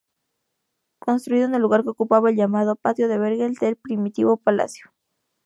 Construido en el lugar que ocupaba el llamado "Patio del Vergel" del primitivo palacio.